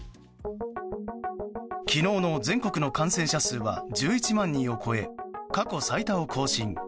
昨日の全国の感染者数は１１万人を超え過去最多を更新。